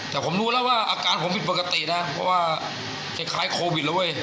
แต่ผมรู้แล้วว่าอาการผมผิดปกตินะเพราะว่าคล้ายโควิดแล้วเว้ย